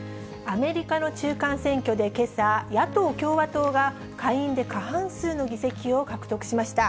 アメリカの中間選挙でけさ、野党・共和党が下院で過半数の議席を獲得しました。